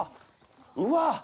うわっ！